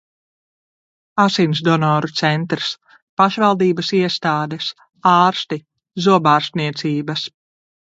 Asinsdonoru centrs. pašvaldības iestādes. ārsti. zobārstniecības...